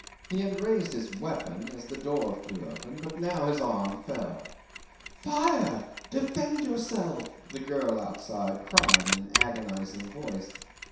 He had raised his weapon as the door flew open, but now his arm fell. "Fire! Defend yourself," the girl outside cried in an agonising voice.